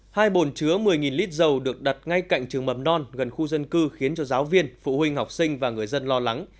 hai bồn chứa một mươi lít dầu được đặt ngay cạnh trường mầm non gần khu dân cư khiến cho giáo viên phụ huynh học sinh và người dân lo lắng